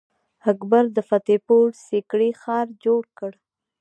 اکبر د فتح پور سیکري ښار جوړ کړ.